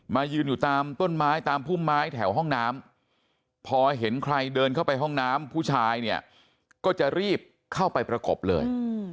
ยืนอยู่ตามต้นไม้ตามพุ่มไม้แถวห้องน้ำพอเห็นใครเดินเข้าไปห้องน้ำผู้ชายเนี่ยก็จะรีบเข้าไปประกบเลย